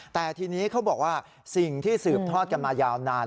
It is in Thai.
แต่ทีนี้เขาบอกว่าสิ่งที่สืบทอดกันมายาวนาน